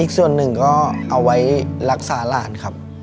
ส่วนหนึ่งก็เอาไว้รักษาหลานครับ